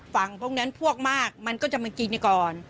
พวกนั้นพวกมากมันก็จะมากินก่อน